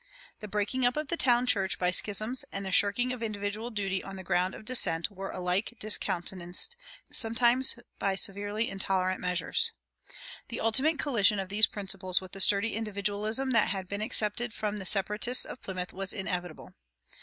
The breaking up of the town church by schisms and the shirking of individual duty on the ground of dissent were alike discountenanced, sometimes by severely intolerant measures. The ultimate collision of these principles with the sturdy individualism that had been accepted from the Separatists of Plymouth was inevitable.